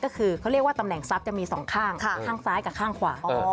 ก็คือเขาเรียกว่าตำแหน่งทรัพย์จะมีสองข้างข้างซ้ายกับข้างขวา